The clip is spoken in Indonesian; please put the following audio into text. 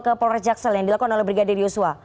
ke polres jakarta selatan yang dilakukan oleh brigadir yusua